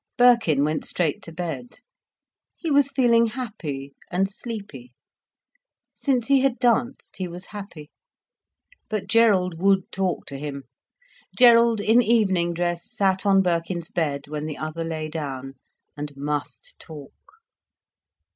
Birkin went straight to bed. He was feeling happy, and sleepy. Since he had danced he was happy. But Gerald would talk to him. Gerald, in evening dress, sat on Birkin's bed when the other lay down, and must talk.